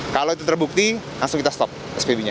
kalau itu terbukti langsung kita stop spb nya